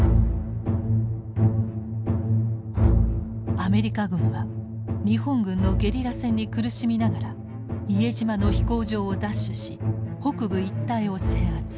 アメリカ軍は日本軍のゲリラ戦に苦しみながら伊江島の飛行場を奪取し北部一帯を制圧。